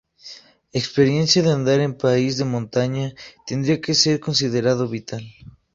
Experiencia de andar en país de montaña tendría que ser considerado vital.